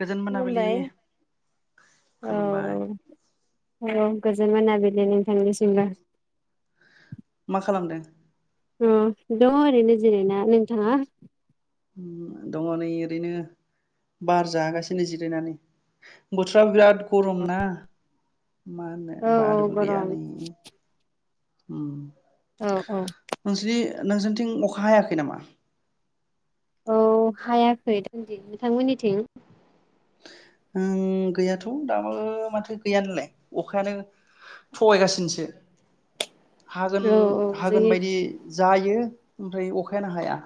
गोजोन मोनाबिलि मुम्बाइ खुलुमबाय औ-औ औ गोजोन मोनाबिलि नोंथांनिसिमबो मा खालामदों अ दङ ओरैनो जिरायना नोंथाङा? दङ नै ओरैनो बार जागासिनो जिरायनानै बोथोराबो बिराद गरम ना मा होनो औ औ बारबो गैया गरम नै ओ औ-औ नोंजोंथिं अखा हायाखै नामा? औ हायाखै [unintelligible] नोंथांमोननिथिं ओं गैयाथ दाबो माथो गैया नोलाय अखायानो थगायगासिनोसो औ औ हागोन-हागोन जोंनि बायदि जायो। ओमफ्राय अखायानो हाया।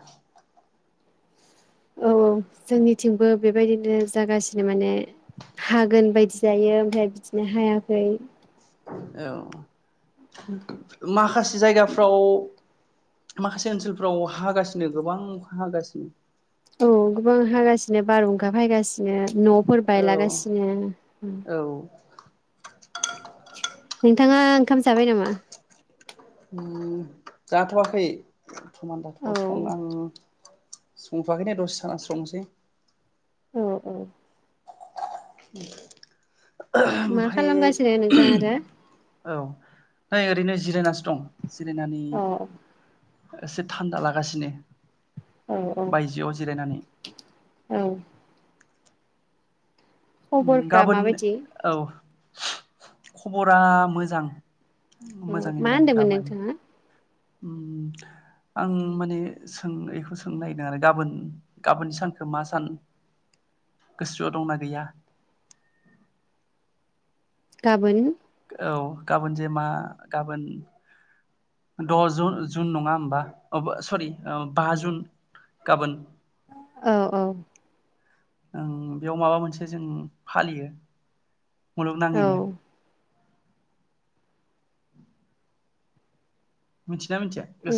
औ-औ जोंनिथिंबो बेबायदिनो जागासिनो माने हागोन बायदि जायो ओमफ्राय बिदिनो हायाखै औ माखासे जायगाफ्राव माखासे ओनसोलफोराव हागासिनो गोबां अखा हागासिनो औ गोबां हागासिनो बारहुंखा फैगासिनो नफोर औ बायलागासिनो ओ। औ नोंथाङा ओंखाम जाबाय नामा ओ जाथवाखै बरथमान औ जाथखै आं संथयाखै दे दसे थाना संसै औ औ [inaudible] मा ओमफाय खालामगासिनो नोंथाङा दा औ नै ओरैनो जिरायनासो दं जिरायनानै अ एसे थान्दा लागासिनो औ औ बायजोआव जिरायनानै औ उम खबरफ्रा गाबोन माबायदि औ खबरा मोजां औ मा होनदोंमोन नोंथाङा ओम आं माने सोंङैखौ सोंनो नागिरदों आरो गाबोन गाबोन सानखौ मा सान गोसोआव दंना गैया गाबोन औ गाबोन जे मा गाबोन द'ज जुन नङा होमबा अबो सरि बा जुन गाबोन औ औ ओं बेयाव माबा मोनसे जों फालियो मुलुग औ नाङैनो मिथि अम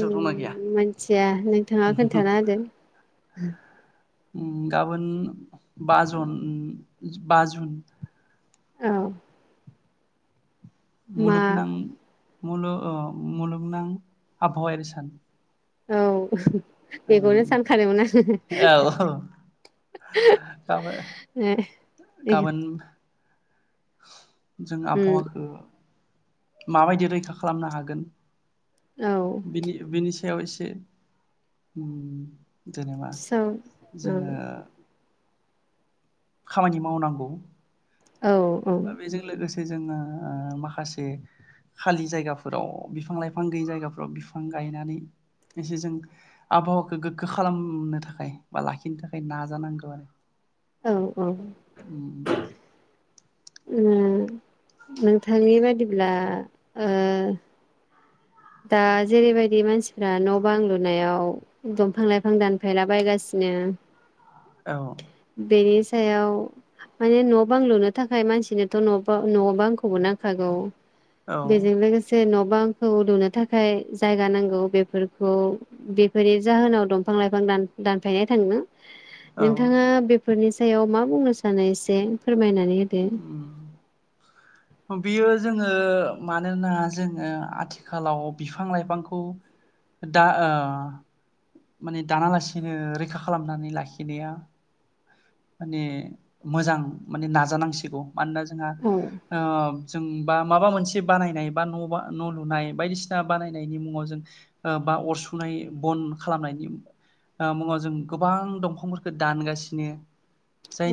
मोनथिया नोंथांङा खोन्थाना होदो गाबोन बा जन बा जुन औ मा मुलुगनां मु-मुलुगनां आबहावायारि सान औ ओं बेखौनो सानखादोंमोन आंङो औ गाबोन गाबोन [unintelligible] जों आबहावाखो माबायदि रैखा खालामनो हागोन औ बिनि बिनि सायाव इसे अम जेनेबा सौ जोंङो खामानि मावनांगौ औ औ जोंङो ओ माखासे खालि जायगाफोराव बिफां लाइफां गैयै जायगाफोराव बिफां गायनानै एसे जों आबहावाखौ गोगगो खालामनो थाखाय बा लाखिनो थाखाय नाजानांगौ आरो। औ औ ओम। नोंथांनि बायदिब्ला ओ दा जेरैबायदि मानसि फ्रा न' बां लुनायाव एकदम बिफां लाइफां दानफायलाबायगासिनो औ बे [unintelligible] माने न' बां लुनो थाखाय मानसिनोथ' नबा न' बां खौबो नांखागौ। औ बेजों लोगोसे न' बा बांखौ लुनो थाखाय जायगा नांगौ बेफोरखौ बेफोरनि जाहोनाव दंफां लाइफां दान दानफायनाय थांदों। औ नोंथाङा बेफोरनि सायाव मा बुंनो सानो एसे फोरमायना नानै होदो? बेयो जोङो मानोना जोङो आथिखालाव बिफां लाइफांखौ दा माने दानालासिनो रैखा खालामनानै लाखिनाया माने मोजां माने नाजानांसिगौ। मानोना जोंहा औ ओ जों बा माबा मोनसे बानायनाय बा न' बा न' लुनाय बायदिसिना बानायनायनि मुङाव जों बा अरसुनाय बन खालामनायनि मुङाव जों गोबां दंफांफोरखौ दानगासिनो।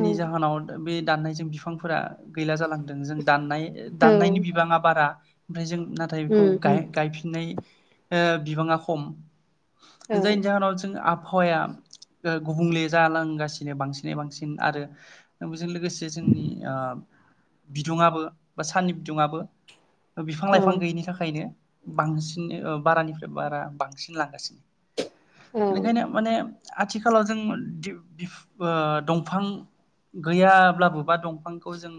औ जाहोनाव बे दाननायजों बिफांफोरा गैला जालांदों। जों दाननाय दाननायनि बिबाङा बारा ओमफ्राय जों नाथाय बेखौ उम उम गाय-गायफिननाय ओ बिबाङा खम। औ जायनि जाहोनाव जों आ आबहावाया गुबुंले जालांगासिनो बांसिन बांसिन आरो बेजों लोगोसे जोंनि बिदुुंआबो बा साननि बिदुुंआबो बिफां औ लाइफां गैयिनि थाखायनो बांसिन बारानिफ्राय बारा बांसिनलांगासिनो औ ओंखायनो माने आथिखालाव जों दंफां गैयाब्लाबो बा दंफांखौ जों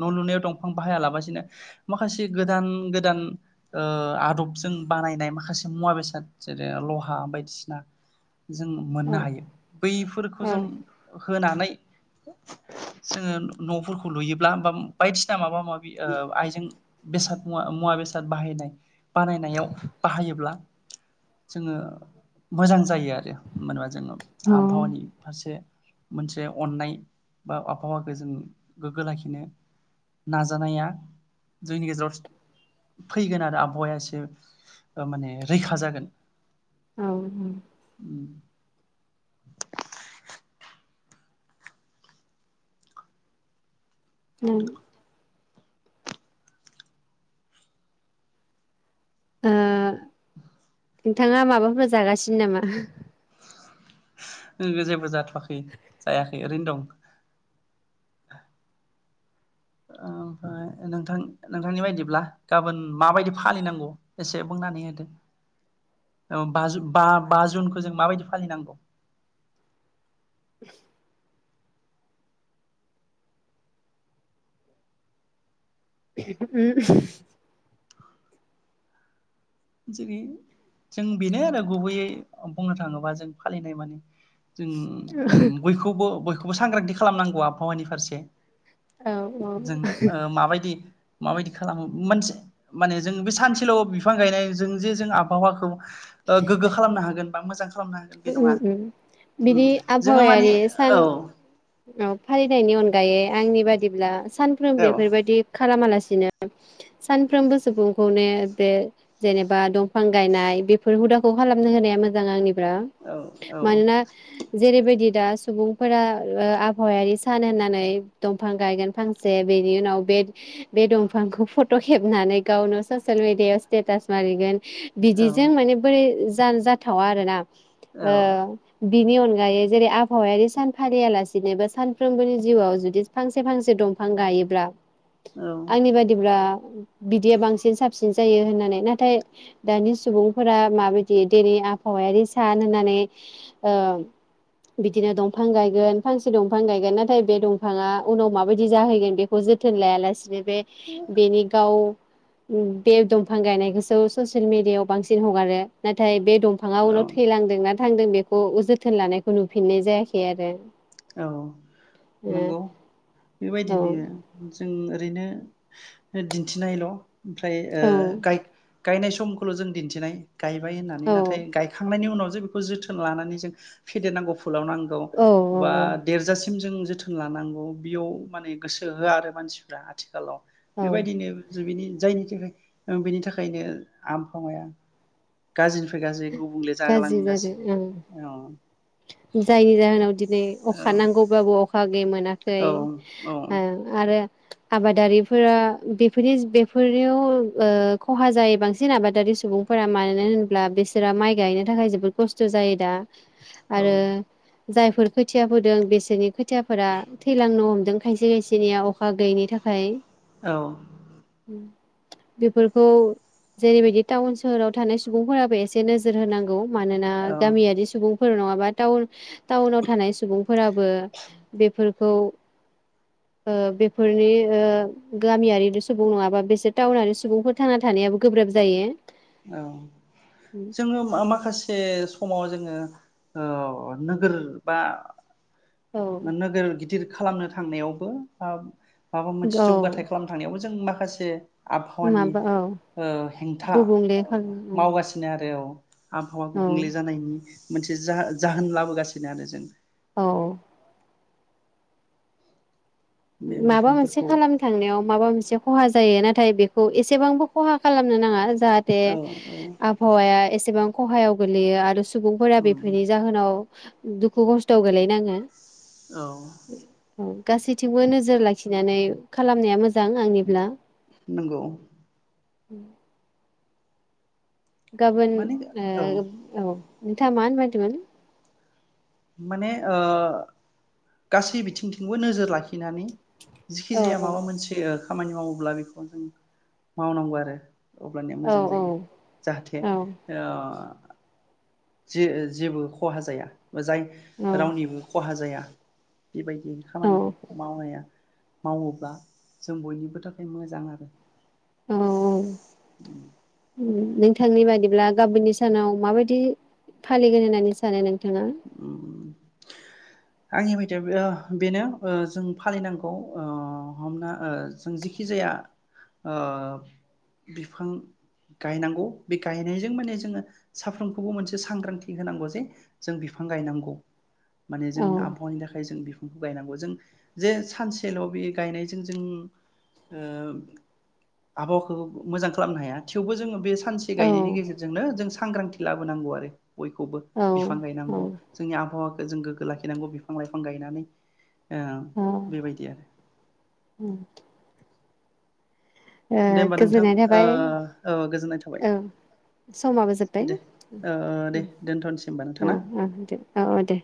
न' लुनायाव दंफां बाहायालाबसिनो माखासे गोदान गोदान ओ आदबजों बानायनाय माखासे मुवा बेसाद जेरै लहा बायदिसिना जों मोननो औ हायो बै खौ औ जों होनानै जोङो न'फोरखौ लुयोब्ला बा बायदिसिना माबा माबि आइजें बेसाद मुवा मुवा बेसाद बाहायनाय बानायनायाव बाहायोब्ला जोङो मोजां जायो आरो मानो होनबा जोङो आबहावानि मोनसे अननाय बा आबहावाखौ जों गोग्गो लाखिनो नाजानाया जोंनि गेजेराव फैगोन आरो आबहावाया एसे माने रैखा जागोन। औ ओ। उम। नोंथाङा माबाफोर जागासिनो नामा? जेबो जा थवाखै जायाखै ओरैनो दं। [inaudible] ओमफ्राय नोंथां नोंथांनि बायदिब्ला गाबोन माबायदि फालिनांगौ एसे बुंनानै होदो औ बा-बा जुनखौ जों माबायदि फालिनांगौ। [unintelligible] [unintelligible] जेरै जों बेनो आरो गुबैयै बुंनो थाङोबा जों फालिनाय माने जों बयखौबो बयखौ सांग्रांथि खालामनांगौ आबहावानि फारसे। औ औ जों मा बायदि माबायदि खालामो मोनसे माने जों बे सानसेल' बिफां गायनाय जों जे जों आबहावाखौ गोग्गो खालामनो हागोन बा मोजां खालामनो हागोन बे ओ नङा बिनि जोङो माने आबहावायारि सान औ फालिनायनि अनगायै आंनि बायदि बादिब्ला सानफ्रोम बेफोरबायदि खालामालासिनो बिदिनो सानफ्रोमबो सुबुंखौनो बे जेनेबा दंफां गायनाय बेफोर हुदाखौ खालामनो होनाया मोजां आंनिफ्राय। औ औ। जेरैबायदि दा सुबुंफोरा आबहावायारि सान होननानै दंफां गायगोन फांसे बेनि उनाव बे बे दंफांखौ फट' खेबनानै गावनो ससियेल मिेडियायाव स्टेटास मारिगोन औ बिदिजों माने बोरै ज जाथावा आरोना। ओ बिनि अनगायै जेरै आबहावायारि सान फालियालासिनोबो सानफ्रोमबोनि जिउआव जुदि फांसे फांसे दंफां गायोब्ला बि औ आंनि बायदिब्रा बिदिया बांसिन साबसिन जायो होननानै। नाथाय दानि सुबुंफोरा माबायदि दिनि आबहावायारि सान होननानै ओ बिदिनो दंफां गायगोन फांसे दंफां गायगोन नाथाय बे दंफाङा उनाव माबायदि जाहैगोन बेखौ जोथोन लायालासिनो बे बेनि गाव बे दंफां गायनायखौसो ससियेल मिडियाआव बांसिन हगारो। नाथाय बे दंफांङा औ उनाव लांदों ना थांदों बेखौ जोथोन लानायखौ नुफिननाय जायाखै आरो। औ नंगौ। ओ बेबायदिनो जों ओरैनो दिन्थिनायल' ओमफ्राय ओ औ गाय गायनाय समखौल' जों दिन्थिनाय गायबाय होननानै औ नाथाय गायखांनायनि उनाव जोथोन लानानै जों फेेरनांगौ फुलाव नांगौ। औ औ बा औ देरजासिम जों जोथोन लानांगौ बियाव माने गोसो होआ आरो मानसिफ्रा आथिखालाव। औ बेबायदिनो जों बिनि जायनि थाखाय बेनि थाखायनो आमहावाया गाज्रि गाज्रि, गुबुंले गाज्रि जादों ओं जागालांगासिनो औ। जायनि जाहोनाव दिनै अखा औ नांगौबाबो अखा दै मोना औ औ ओ आरो आबादारिफोरा बेफोरनि बेफोरनियाव ओ खहा जायो बांसिन आबादारि सुबुंफोरा मानो होन्ला बिसोरा माइ गायनो थाखाय जोबोद खस्थ' जायो दा। आरो जायफोर खोथिया फोदों बेसोरनि खोथि खोथियाफोरा थैलांनो हमदों। खायसे-खायसेनिया अखा गैयैनि थाखाय औ। बेफोरखौ जेरैबायदि टाउन सोहोराव थानाय सुबुंफोराबो एसे नोजोर होनांगौ। मानोना औ गामियारि सुबुं फोर माबा [unintelligible] टाउनाव थानाय सुबुंफोराबो बेफोर खौ बेफोरनि गामियारि' सुबुं नङाबा बेसोर टाउनारि सुबुंफोर थांना थानायाबो गोब्राब जायो। औ जोङो माखासे समाव जोङो नोगोर बा औ मोननो गिदिर खालामनो थांनायावबो माबा मोनसे औ जौगाथाय खालाम थांनायावबो जों मा माखासे आबहावानि माबा औ हेंथा गुबुंले खालाम मावगासिनो आरो औ। आबहावा औ गुबुंले जानायनि मोनसे जा जाहोन लाबोगासिनो आरो जों। औ। बे माबा मोनसे बिफांफोरखौ खालाम थांनायाव माबा मोनसे खहा जायो। ना थाय बेखौ एसेबांबो खहा खालामनो नाङा। जाहाथे औ औ आबहावाया एसेबां खहायाव गोलैयो। आरो सुबुंफोरा बेफोरनि जाहोनाव दुख खस्त गैलै नाङो औ औ गासै थिंबो नोजोर लाखिनानै खालामनाया मोजां मोजां आंनिब्ला नंगौ उम गाबोन ओ औ नोंथाङा मा होननो नागिरदोंमोन? माने ओ गासै बिथिंथिंबो नोजोर लाखिनानै औ जिखिजाया औ माबा मोनसे खामानि मावोब्ला बेखौ जों मावनांगौ आरो। अब्लानिया औ मोजां औ जायो जाहाथे औ ओ जे-जेबो खहा जाया। जाय औ रावनिबो खहा जाया। [inaudible] बेबायदि औ खामानिफोरखौ मावनायाया मावोब्ला जों बयनिबो थाखाय मोजां आरो। अ औ उम नोंथांनि बादिब्ला गाबोननि सानाव माबायदि फालिगोन होननानै सानो नों थांङा उम आंनि बायदिबा ओ बेनो ओ जों फालिनांगौ ओ हमना ओ जों जिखि जाया ओ बिफां गायनांगौ बे गायनायजों माने जोङो साफ्रोमखौबो मोनसे सांग्रांथि होनांगौ जे जों बिफां गायनांगौ। माने जों औ आबहावानि थाखाय जों बि गायनांगौ जों जे सानसेल बे गायनायजों जों ओ आबहावाखौ मोजां खालामनो हाया थेवबो जों बे फांसे औ गायनायनि गेजेरजोंनो जों सांग्रांथि लाबोनांगौ आरो। बयखौबो औ बिफां औ गायनांगौ जोंनि आबहावाखौ जों गोग्गो लाखिनांगौ बिफां लाइफां गायनानै ओ औ बेबायदि ओ दे होमबा नोंथां गोजोननाय थाबाय ओ औ गोजोननाय थाबाय औ समाबो जोब्बाय दे दे ओ दोनथ'नोसै होमबा नोंथां ओ ना ओ ओ दे औ औ दे।